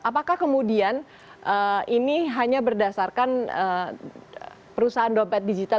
apakah kemudian ini hanya berdasarkan perusahaan dompet digital